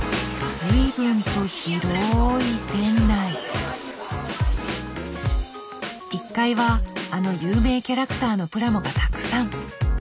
１階はあの有名キャラクターのプラモがたくさん。